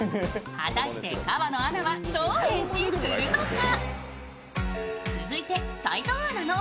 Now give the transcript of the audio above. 果たして、河野アナはどう変身するのか。